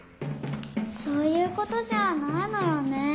そういうことじゃないのよね。